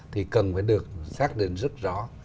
thì cần phải được xác định rất rõ